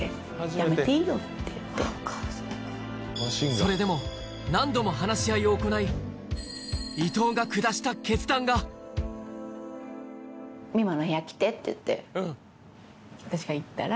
それでも何度も話し合いを行い伊藤が下した決断が私が行ったら。